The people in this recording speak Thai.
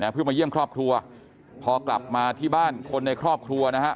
เพื่อมาเยี่ยมครอบครัวพอกลับมาที่บ้านคนในครอบครัวนะฮะ